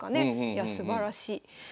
いやすばらしい。